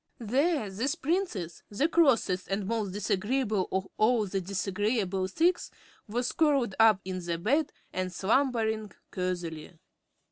There this Princess, the crossest and most disagreeable of all the disagreeable six, was curled up in bed and slumbering cosily.